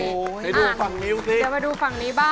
ไปดูฝั่งนี้บ้าง